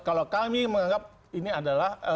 kalau kami menganggap ini adalah